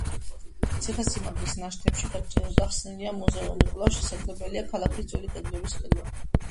ციხესიმაგრის ნაშთებში გახსნილია მუზეუმი, კვლავ შესაძლებელია ქალაქის ძველი კედლების ხილვა.